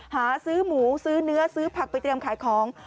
หาซื้อหมูซื้อเนื้อซื้อผักไปเตรียมขายของ